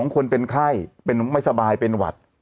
๒คนเป็นไข้เป็นไม่สบายเป็นหวัด